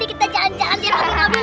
apa hadiahnya mobil